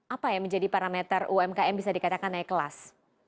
apa yang menjadi parameter umkm bisa dikatakan naik kelas